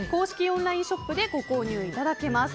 オンラインショップでご購入いただけます。